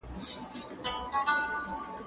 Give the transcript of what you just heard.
زه مخکي ليکنې کړي وو؟